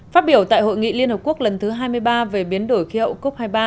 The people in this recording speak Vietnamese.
phát biểu tại hội nghị liên hợp quốc lần thứ hai mươi ba về biến đổi khí hậu cop hai mươi ba